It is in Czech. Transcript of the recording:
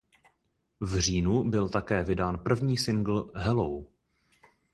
V říjnu byl také vydán první singl "Hello".